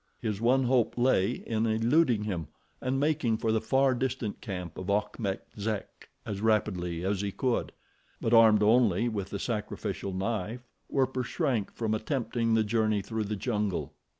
His one hope lay in eluding him, and making for the far distant camp of Achmet Zek as rapidly as he could; but armed only with the sacrificial knife, Werper shrank from attempting the journey through the jungle.